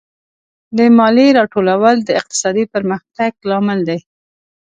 د مالیې راټولول د اقتصادي پرمختګ لامل دی.